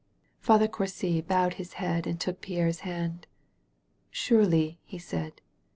Father Courcy bowed his head and took Pierre*s hand. *' Surely," he said.